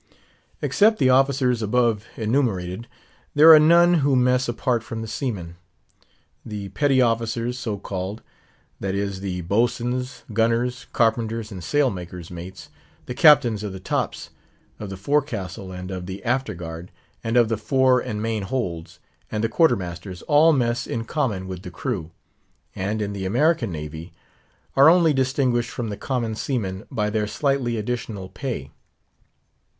Except the officers above enumerated, there are none who mess apart from the seamen. The "petty officers," so called; that is, the Boatswain's, Gunner's, Carpenter's, and Sail maker's mates, the Captains of the Tops, of the Forecastle, and of the After Guard, and of the Fore and Main holds, and the Quarter Masters, all mess in common with the crew, and in the American navy are only distinguished from the common seamen by their slightly additional pay.